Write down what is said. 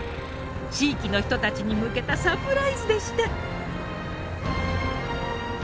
地域の人たちに向けたサプライズでした。